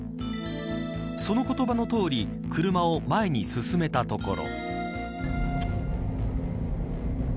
その言葉のとおり車を前に進めたところ。